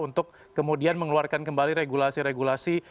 untuk kemudian mengeluarkan kembali regulasi regulasi